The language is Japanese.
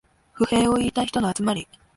不平を言いたい人の集まり